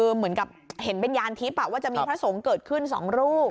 เหมือนกับเห็นเป็นยานทิพย์ว่าจะมีพระสงฆ์เกิดขึ้น๒รูป